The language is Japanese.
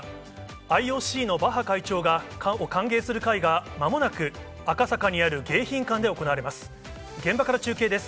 ＩＯＣのバッハ会長を歓迎する会がまもなく赤坂にある迎賓館で行われます。